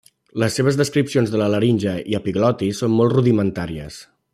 Les seves descripcions de la laringe i epiglotis són molt rudimentàries.